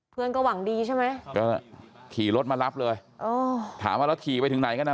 เพื่อนก็หวังดีใช่ไหมก็ขี่รถมารับเลยอ๋อถามว่าแล้วขี่ไปถึงไหนกันอ่ะ